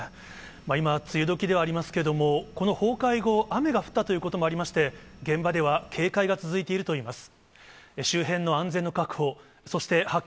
今、梅雨どきではありますけれども、この崩壊後、雨が降ったということもありまして、現場では警戒が続いているといいます。